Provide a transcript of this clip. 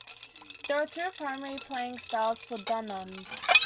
There are two primary playing styles for dununs.